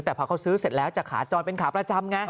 แต่พอเขาซื้อเสร็จแล้วจะขาจรเป็นขาประจำไง